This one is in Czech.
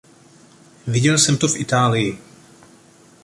Viděl jsem to v Itálii.